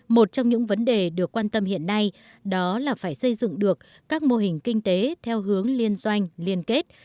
một trong những vấn đề được quan tâm hiện nay đó là phải xây dựng được các mô hình kinh tế theo hướng liên doanh liên kết